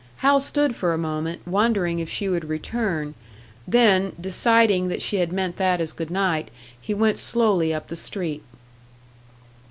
Hal stood for a moment wondering if she would return; then, deciding that she had meant that as good night, he went slowly up the street.